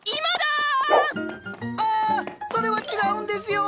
それは違うんですよ！